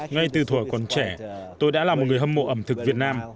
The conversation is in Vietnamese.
ngay từ tuổi còn trẻ tôi đã là một người hâm mộ ẩm thực việt nam